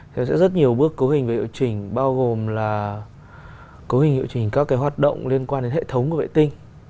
thì sẽ rất nhiều bước cấu hình về điều chỉnh bao gồm là cấu hình hiệu chỉnh các cái hoạt động liên quan đến hệ thống của vệ tinh